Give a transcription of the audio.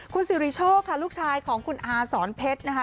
คุณสิริโชคค่ะลูกชายของคุณอาสอนเพชรนะคะ